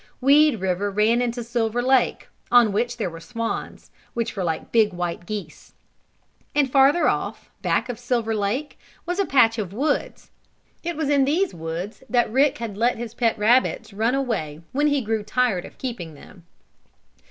Weed River ran into Silver Lake, on which there were swans, which were like big white geese. And farther off, back of Silver Lake, was a patch of woods. It was in these woods that Rick had let his pet rabbits run away when he grew tired of keeping them.